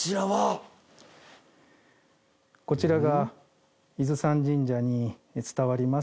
こちらが伊豆山神社に伝わります